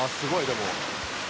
でも」